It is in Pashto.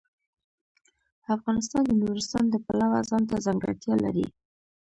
افغانستان د نورستان د پلوه ځانته ځانګړتیا لري.